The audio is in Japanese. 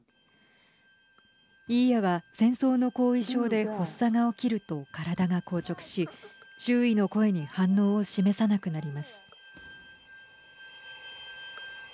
イーヤは、戦争の後遺症で発作が起きると体が硬直し周囲の声に反応を示さなくなります。